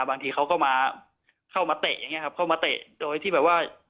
บางทีเขาก็มาเข้ามาเตะอย่างนี้ครับเข้ามาเตะโดยที่แบบว่า